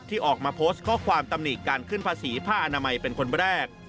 ออกมาโพสต์ข้อความตำหนิการขึ้นภาษีผ้าอนามัยเป็นคนแรก